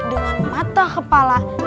dengan mata kepala